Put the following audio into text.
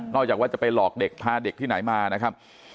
จากว่าจะไปหลอกเด็กพาเด็กที่ไหนมานะครับ